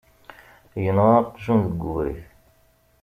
Yenɣa aqjun deg ubrid.